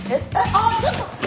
あっちょっと！